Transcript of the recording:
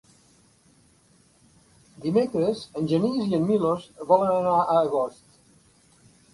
Dimecres en Genís i en Milos volen anar a Agost.